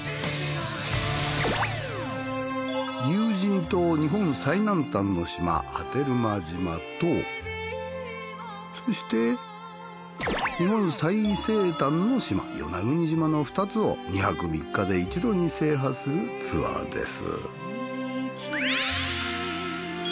有人島日本最南端の島波照間島とそして日本最西端の島与那国島の２つを２泊３日で一度に制覇するツアーです。